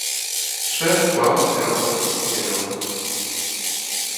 Шэры плаўна пераходзіць у зялёны.